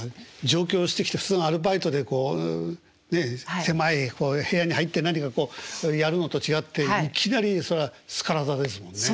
上京してきてすぐアルバイトでこうね狭い部屋に入って何かこうやるのと違っていきなりスカラ座ですもんね。